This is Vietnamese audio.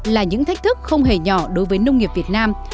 là những thách thức không hề nhỏ đối với nông nghiệp việt nam